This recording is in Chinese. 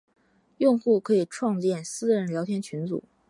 用户可以创建私人聊天群组。